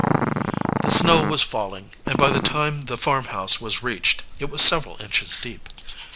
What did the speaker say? The snow was falling, and by the time the farmhouse was reached it was several inches deep.